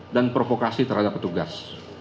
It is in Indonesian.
dan provokasi terhadap petugas